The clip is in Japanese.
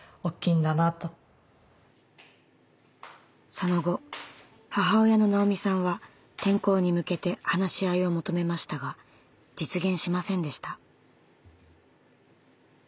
その後母親の直美さんは転校に向けて話し合いを求めましたが実現しませんでした。